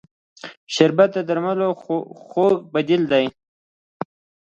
شربت د درملو خوږ بدیل دی